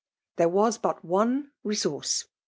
There was but one resource